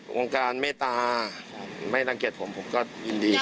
วงการเมตตาไม่รังเกียจผมผมก็ยินดี